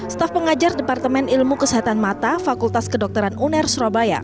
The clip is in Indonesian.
staf pengajar departemen ilmu kesehatan mata fakultas kedokteran uner surabaya